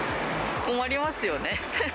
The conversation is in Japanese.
困りますよね。